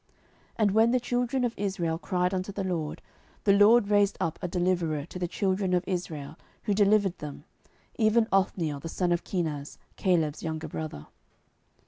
07:003:009 And when the children of Israel cried unto the LORD, the LORD raised up a deliverer to the children of Israel, who delivered them, even Othniel the son of Kenaz, Caleb's younger brother.